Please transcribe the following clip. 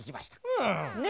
うん。ね？